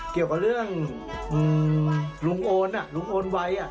เกี่ยวกับเรื่องลุงโอนไว้